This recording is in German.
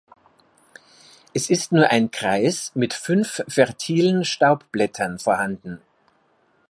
Es ist nur ein Kreis mit fünf fertilen Staubblättern vorhanden.